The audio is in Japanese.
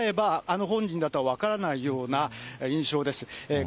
普通に会えばあの本人だとは分からないような印象です。